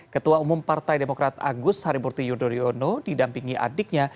ketua umum partai demokrat agus harimurti yudhoyono didampingi adiknya